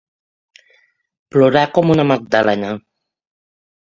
Plorar com una Magdalena.